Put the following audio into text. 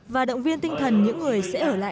và động viên tinh thần những người sẽ ở lại